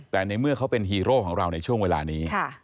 แต่ในเมื่อเขาเป็นฮีโร่ของเราในช่วงเวลานี้